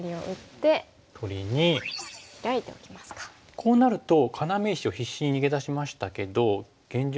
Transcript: こうなると要石を必死に逃げ出しましたけど現状